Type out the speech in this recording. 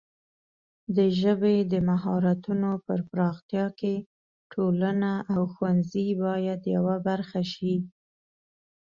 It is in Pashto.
د ژبې د مهارتونو پر پراختیا کې ټولنه او ښوونځي باید یوه برخه شي.